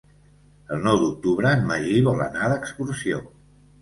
El nou d'octubre en Magí vol anar d'excursió.